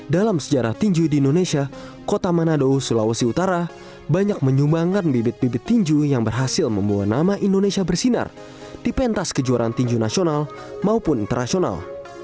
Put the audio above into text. dalam sejarah tinju di indonesia kota manado sulawesi utara banyak menyumbangkan bibit bibit tinju yang berhasil membawa nama indonesia bersinar di pentas kejuaraan tinju nasional maupun internasional